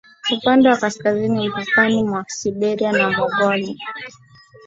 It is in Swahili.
Upande wa kaskazini mpakani mwa Siberia na Mongolia